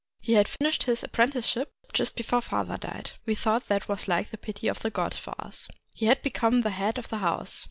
He had finished his apprenticeship just before father died ; we thought that was like the pity of the gods for us. He had become the head of the house.